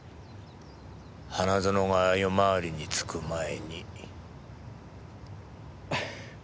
花園が夜回りに就く前に。